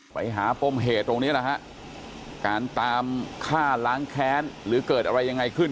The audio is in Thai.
ไปหาป้มเหตุตรงนี้แหละฮะการตามฆ่าล้างแค้นหรือเกิดอะไรยังไงขึ้น